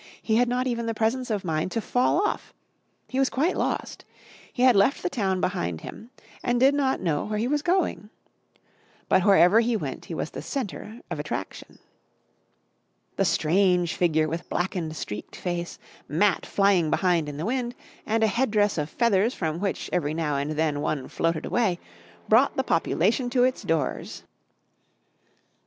He had not even the presence of mind to fall off. He was quite lost. He had left the town behind him and did not know where he was going. But wherever he went he was the centre of attraction. The strange figure with blackened, streaked face, mat flying behind in the wind and a head dress of feathers from which every now and then one floated away, brought the population to its doors.